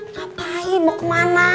ngapain mau kemana